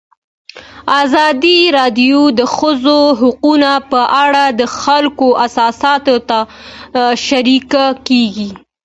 ازادي راډیو د د ښځو حقونه په اړه د خلکو احساسات شریک کړي.